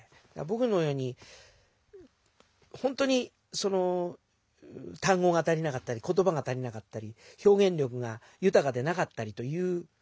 ぼくのようにほんとにたん語が足りなかったり言葉が足りなかったり表現力がゆたかでなかったりという。